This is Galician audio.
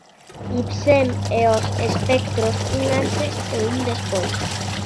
Ibsen e "Os espectros": un antes e un despois.